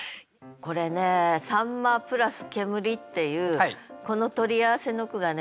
これね「秋刀魚」＋「煙」っていうこの取り合わせの句がね